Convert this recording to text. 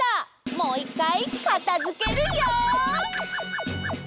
もういっかいかたづけるよ！